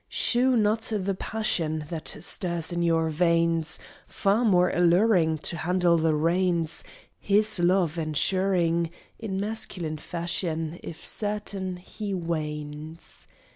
Shew not the passion That stirs in your veins, Far more alluring To handle the reins, His love ensuring.... In masculine fashion If certain he wanes.